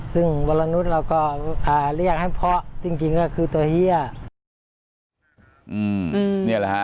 ซึ่งวรนุษย์เราก็เรียกให้เพาะจริงก็คือตัวเฮีย